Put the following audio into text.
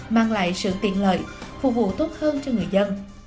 mang lại sự tiện lợi phục vụ tốt hơn cho người dân